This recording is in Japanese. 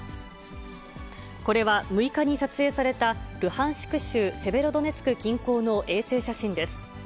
これは６日に撮影された、ルハンシク州セベロドネツク近郊の衛星写真です。